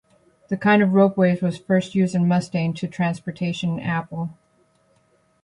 This kind of ropeways was first used in Mustang to transportation apple.